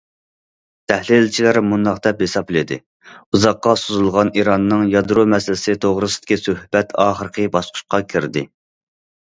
تەھلىلچىلەر مۇنداق دەپ ھېسابلىدى: ئۇزاققا سوزۇلغان ئىراننىڭ يادرو مەسىلىسى توغرىسىدىكى سۆھبەت ئاخىرقى باسقۇچقا كىردى.